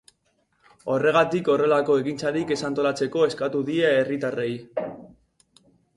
Horregatik, horrelako ekintzarik ez antolatzeko eskatu die herritarrei.